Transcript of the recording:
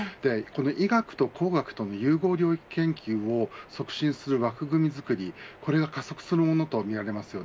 医学と工学との融合教育研究を促進する枠組み作り、これが加速するものとみられます。